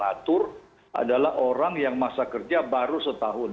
diatur adalah orang yang masa kerja baru setahun